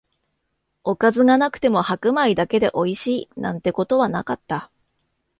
おかずがなくても白米だけでおいしい、なんてことはなかった